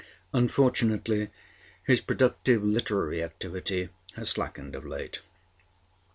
Unfortunately his productive literary activity has slackened of late.